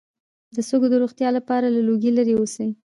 د سږو د روغتیا لپاره له لوګي لرې اوسئ